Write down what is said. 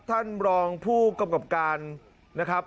ท่านรองผู้กำกับการนะครับ